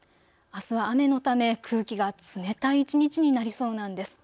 あすは雨のため空気が冷たい一日になりそうなんです。